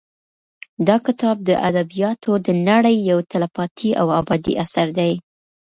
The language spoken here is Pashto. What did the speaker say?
دا کتاب د ادبیاتو د نړۍ یو تلپاتې او ابدي اثر دی.